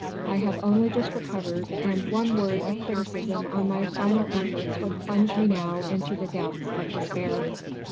I have only just recovered, and one word of criticism on my final efforts would plunge me now into the depths of despair."